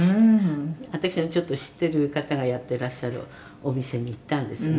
「私がちょっと知ってる方がやってらっしゃるお店に行ったんですよね」